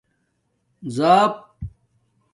زاپ